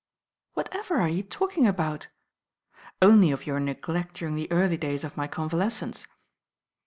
"Whatever are you talking about?" "Only of your neglect during the early days of my convalescence."